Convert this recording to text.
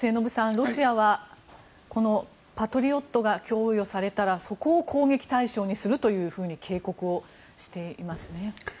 ロシアは、このパトリオットが供与されたらそこを攻撃対象にすると警告をしていますね。